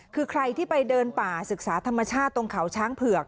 คือใครที่ไปเดินป่าศึกษาธรรมชาติตรงเขาช้างเผือก